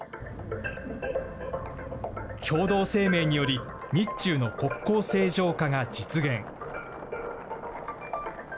共同声明により、日中の国交正常化が実現。